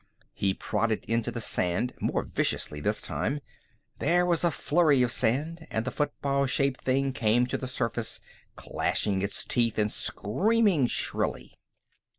He prodded into the sand more viciously this time. There was a flurry of sand, and the football shaped thing came to the surface, clashing its teeth and screaming shrilly.